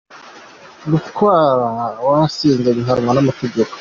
Gutwara wasinze bihanwa n'amategeko.